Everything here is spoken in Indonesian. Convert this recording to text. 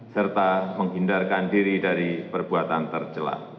serta menghindarkan diri dari perbuatan tercelak